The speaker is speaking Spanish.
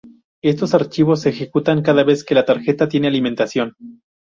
Estos archivos se ejecutan cada vez que la tarjeta tiene alimentación.